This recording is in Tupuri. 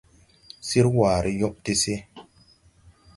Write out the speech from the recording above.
Sir ware yõɓ de se.